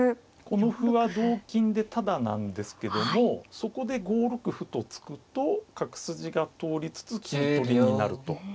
この歩は同金でタダなんですけどもそこで５六歩と突くと角筋が通りつつ金取りになると。